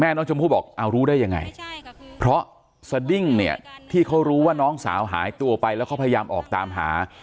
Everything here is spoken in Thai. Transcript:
น้องชมพู่บอกเอารู้ได้ยังไงเพราะสดิ้งเนี่ยที่เขารู้ว่าน้องสาวหายตัวไปแล้วเขาพยายามออกตามหา